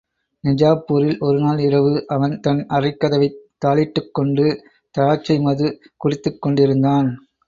நிஜாப்பூரில் ஒருநாள் இரவு, அவன் தன் அறைக் கதவைத் தாளிட்டுக் கொண்டு, திராட்சை மது, குடித்துக் கொண்டிருந்தான்.